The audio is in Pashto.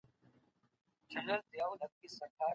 موږ په خپل هېواد وياړو.